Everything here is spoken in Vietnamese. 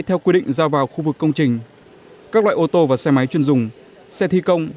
theo quy định giao vào khu vực công trình các loại ô tô và xe máy chuyên dùng xe thi công